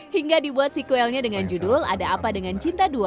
hingga dibuat sequelnya dengan judul ada apa dengan cinta dua